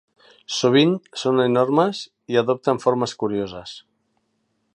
Sovint són enormes i adopten formes curioses.